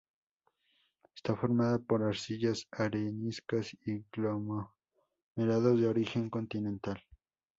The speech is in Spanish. Está formada por arcillas, areniscas y conglomerados de origen continental.